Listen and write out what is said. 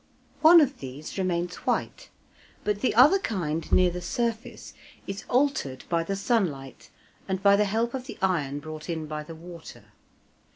One of these remains white, but the other kind, near the surface, is altered by the sunlight and by the help of the iron brought in by the water.